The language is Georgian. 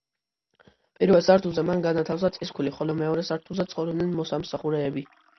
პირველ სართულზე მან განათავსა წისქვილი, ხოლო მეორე სართულზე ცხოვრობდნენ მოსამსახურეები.